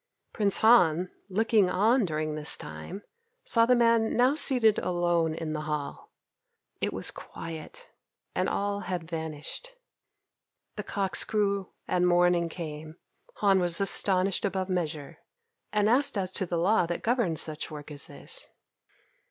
Prince Han, looking on during this time, saw the man now seated alone in the hall. It was quiet, and all had vanished. The cocks crew and morning came. Han was astonished above measure, and asked as to the law that governed such work as this.